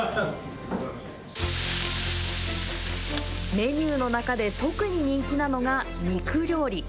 メニューの中で特に人気なのが肉料理。